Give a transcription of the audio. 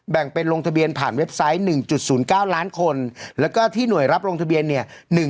แบ่งเป็นลงทะเบียนผ่านเว็บไซต์๑๐๙ล้านคนแล้วก็ที่หน่วยรับลงทะเบียนเนี่ย